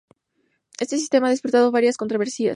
Este sistema ha despertado diversas controversias.